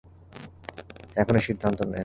এখনই সিদ্ধান্ত নে!